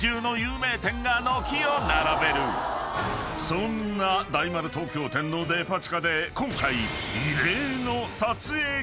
［そんな大丸東京店のデパ地下で今回］